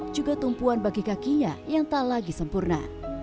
juga tumpuan bagi kakinya yang tak lagi sempurna